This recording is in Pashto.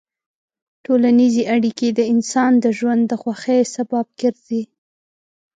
ټولنیز اړیکې د انسان د ژوند د خوښۍ سبب ګرځي.